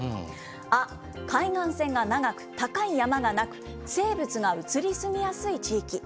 ア、海岸線が長く高い山がなく、生物が移り住みやすい地域。